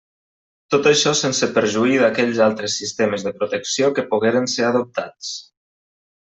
Tot això sense perjuí d'aquells altres sistemes de protecció que pogueren ser adoptats.